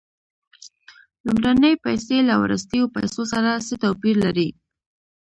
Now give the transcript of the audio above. لومړنۍ پیسې له وروستیو پیسو سره څه توپیر لري